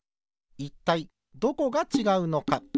いったいどこがちがうのか？